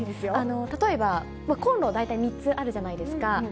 例えば、コンロ、大体３つあるじゃないですか。